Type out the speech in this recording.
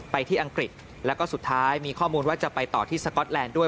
ที่อังกฤษแล้วก็สุดท้ายมีข้อมูลว่าจะไปต่อที่สก๊อตแลนด์ด้วย